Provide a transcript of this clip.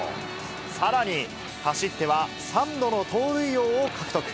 さらに、走っては３度の盗塁王を獲得。